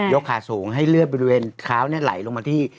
ขาสูงให้เลือดบริเวณเท้าไหลลงมาที่